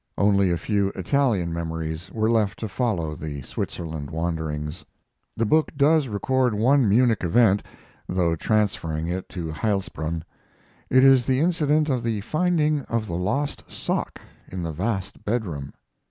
Only a few Italian memories were left to follow the Switzerland wanderings. The book does record one Munich event, though transferring it to Heilsbronn. It is the incident of the finding of the lost sock in the vast bedroom.